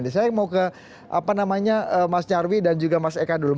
saya mau ke mas nyarwi dan juga mas eka dulu